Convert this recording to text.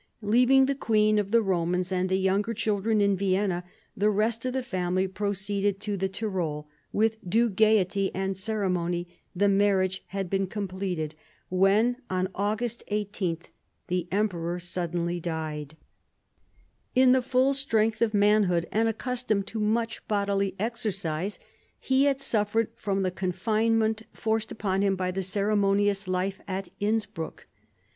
Leaving the Queen of the Romans and the younger children in Vienna, the rest of the family proceeded to the Tyrol. With due gaiety and ceremony the marriage had been completed, when on August 18 the emperor suddenly died In the full strength of manhood, and accustomed to much bodily exercise, he had suffered from the confinement forced upon him by the ceremonious life at Innsbruck.